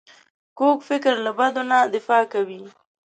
کوږ فکر له بدو نه دفاع کوي